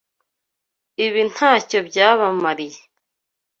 Ibi ntacyo byabamariye.